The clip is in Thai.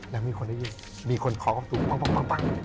แล้วมีคนได้ยินมีคนคอบตุ๋มปั๊ง